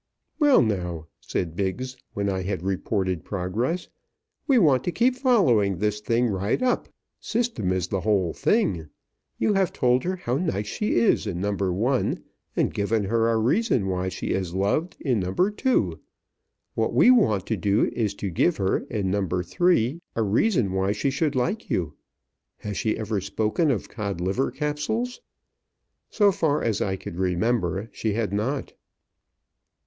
"Well, now," said Biggs, when I had reported progress, "we want to keep following this thing right up. System is the whole thing. You have told her how nice she is in No. 1, and given a reason why she is loved in No. 2. What we want to do is to give her in No. 3 a reason why she should like you. Has she ever spoken of Codliver Capsules?" So far as I could remember she had not.